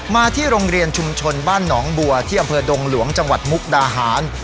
มาที่โรงเรียนชุมชนบ้านหนองบัวที่อำเภอดงหลวงจังหวัดมุกดาหาร